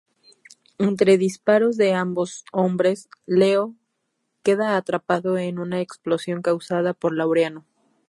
Entre disparos de ambos hombres, Leo queda atrapado en una explosión causada por Laureano.